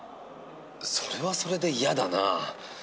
それはそれで嫌だな。